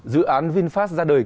dự án vinfast ra đời